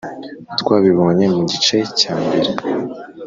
twabibonye mu gice cyambere.